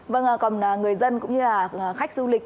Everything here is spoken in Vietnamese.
vâng còn người dân cũng như là khách du lịch